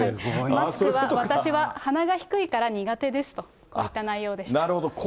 マスクは、私は鼻が低いから苦手ですと、こういった内容でしなるほど。